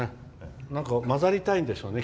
混ざりたいんでしょうね